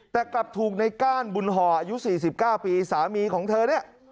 แต่กลับถูกในก้านบุญห่ออายุ๔๙ปีสามีของเธอเนี่ย